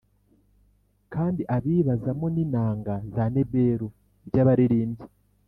kandi abibāzamo n’inanga na nebelu by’abaririmbyi